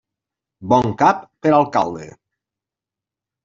Bon cap per alcalde.